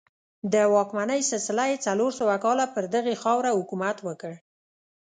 د واکمنۍ سلسله یې څلور سوه کاله پر دغې خاوره حکومت وکړ